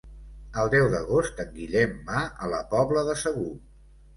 El deu d'agost en Guillem va a la Pobla de Segur.